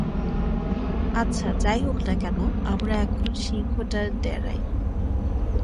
আচ্ছা, যাই হোক না কেন, আমরা এখন সিংহটার ডেরায়।